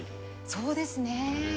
そうですね。